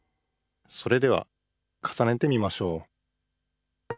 「それではかさねてみましょう」